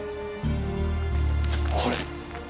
これ。